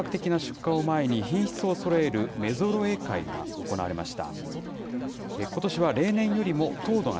きのうは、本格的な出荷を前に品質をそろえる目揃え会が行われました。